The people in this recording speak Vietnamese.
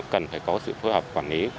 cần phải có sự phối hợp quản lý